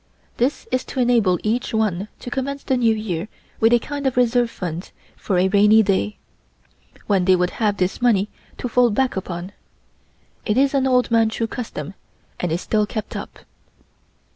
This is to enable each one to commence the New Year with a kind of reserve fund for a rainy day, when they would have this money to fall back upon. It is an old Manchu custom and is still kept up.